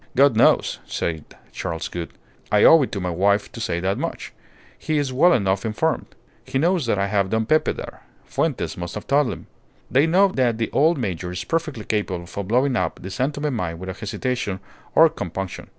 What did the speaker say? "God knows!" said Charles Gould. "I owed it to my wife to say that much. He is well enough informed. He knows that I have Don Pepe there. Fuentes must have told him. They know that the old major is perfectly capable of blowing up the San Tome mine without hesitation or compunction.